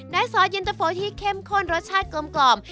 ซอสเย็นตะโฟที่เข้มข้นรสชาติกลม